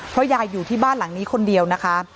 เพราะยายอยู่ที่บ้านหลังนี้คนเดียวนะคะ